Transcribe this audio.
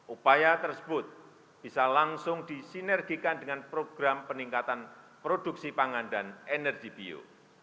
upaya tersebut bisa langsung disinergikan dengan program peningkatan produksi pangan dan energi bio